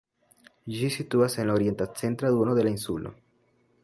Ĝi situas en la orienta centra duono de la insulo.